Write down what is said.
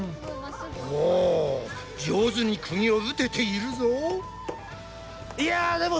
お上手にクギを打てているぞ。